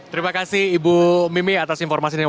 terima kasih ibu mimi atas informasi ini